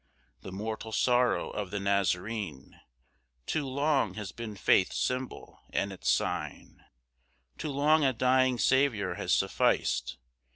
The mortal sorrow of the Nazarene, Too long has been faith's symbol and its sign; Too long a dying Saviour has sufficed.